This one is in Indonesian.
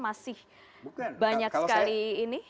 masih banyak sekali ini